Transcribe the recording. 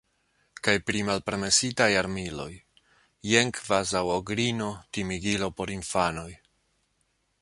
Kaj pri malpermesitaj armiloj – jen kvazaŭ ogrino, timigilo por infanoj.